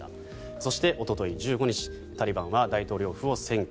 そして、おととい１５日タリバンは大統領府を占拠。